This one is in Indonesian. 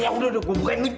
ya udah gue bukain lu